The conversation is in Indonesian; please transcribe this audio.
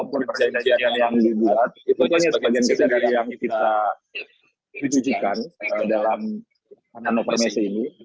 itu hanya sebagai sifat yang kita cucikan dalam panama permisi ini